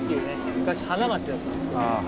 昔花街だったんですけど。